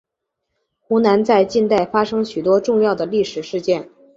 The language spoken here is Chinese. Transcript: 湖南在近代发生许多重要的历史事件。